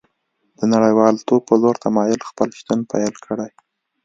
د نړیوالتوب په لور تمایل خپل شتون پیل کړی